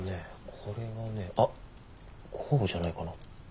これはねあっこうじゃないかな。